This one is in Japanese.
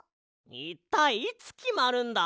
いったいいつきまるんだ？